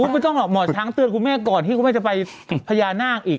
ไม่ต้องหรอกหมอช้างเตือนคุณแม่ก่อนที่คุณแม่จะไปพญานาคอีก